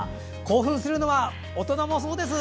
興奮するのは大人もそうです。